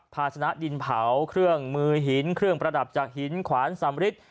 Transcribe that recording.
ภาชนะดินเผาเครื่องมือหินเครื่องประดับจากหินขวานสำริท